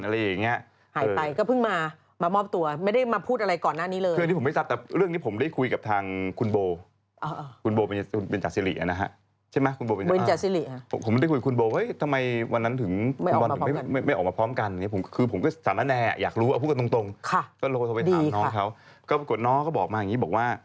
หายไปก็เพิ่งมามามอบตัวไม่ได้มาพูดอะไรก่อนหน้านี้เลย